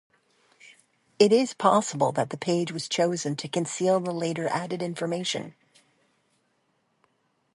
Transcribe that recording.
It is possible that the page was chosen to conceal the later added information.